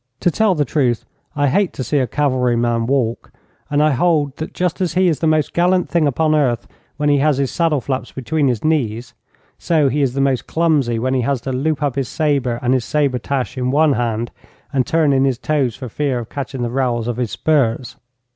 To tell the truth, I hate to see a cavalry man walk, and I hold that just as he is the most gallant thing upon earth when he has his saddle flaps between his knees, so he is the most clumsy when he has to loop up his sabre and his sabre tasche in one hand and turn in his toes for fear of catching the rowels of his spurs.